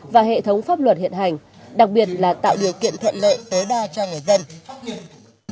và hệ thống pháp luật hiện hành đặc biệt là tạo điều kiện thuận lợi tối đa cho người dân